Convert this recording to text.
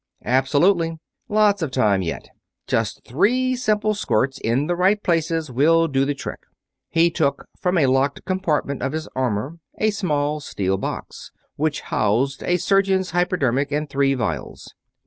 "Absolutely. Lots of time yet. Just three simple squirts in the right places will do the trick." He took from a locked compartment of his armor a small steel box, which housed a surgeon's hypodermic and three vials.